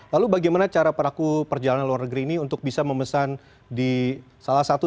lalu bagaimana cara pelaku perjalanan luar negeri ini untuk bisa memesan di salah satu